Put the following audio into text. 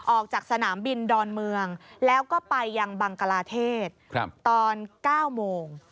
ออกจากสนามบินดอนเมืองแล้วก็ไปยังบังกลาเทศตอน๙โมง